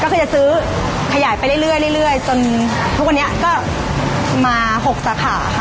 ก็คือจะซื้อขยายไปเรื่อยจนทุกวันนี้ก็มา๖สาขาค่ะ